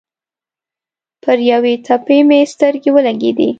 پر یوې تپې مې سترګې ولګېدې.